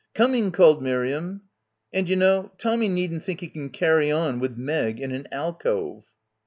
"Coming," called Miriam. "And, you know, Tommy needn't think he can carry on with Meg in an alcove."